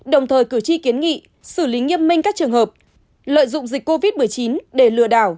đồng thời cử tri kiến nghị xử lý nghiêm minh các trường hợp lợi dụng dịch covid một mươi chín để lừa đảo